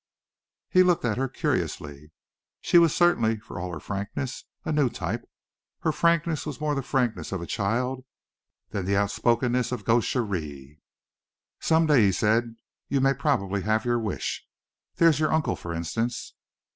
He looked at her curiously. She was certainly, for all her frankness, a new type. Her frankness was more the frankness of a child than the outspokenness of gaucherie. "Some day," he said, "you may probably have your wish. There is your uncle, for instance."